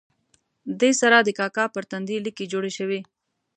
دې سره د کاکا پر تندي لیکې جوړې شوې.